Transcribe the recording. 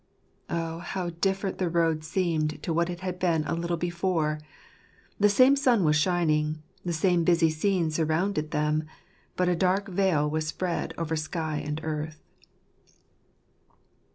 Oh, how different the road seemed to what it had been a little before ! The same sun was shining ; the same busy scene surrounded them — but a dark veil was spread over sky and earth.